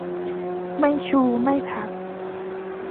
ไม่ชู ไม่ผัก